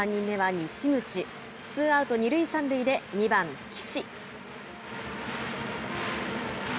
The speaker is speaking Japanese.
西口ツーアウト、二塁三塁で２番岸。